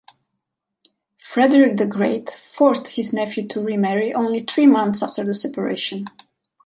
Frederick the Great forced his nephew to remarry only three months after the separation.